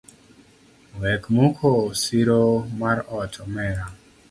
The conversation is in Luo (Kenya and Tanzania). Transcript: Wek muko siro mar ot omera.